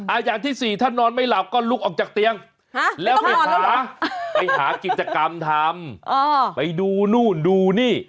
อย่างที่สี่ถ้านอนไม่หลับก็ลุกออกจากเตียงแล้วไปหาไปหากิจกรรมทำไปดูนู่นดูนี่